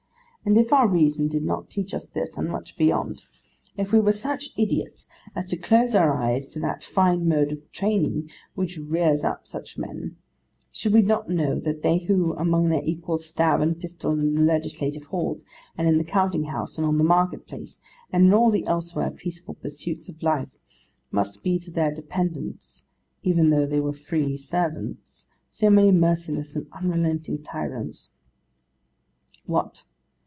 And if our reason did not teach us this and much beyond; if we were such idiots as to close our eyes to that fine mode of training which rears up such men; should we not know that they who among their equals stab and pistol in the legislative halls, and in the counting house, and on the marketplace, and in all the elsewhere peaceful pursuits of life, must be to their dependants, even though they were free servants, so many merciless and unrelenting tyrants? What!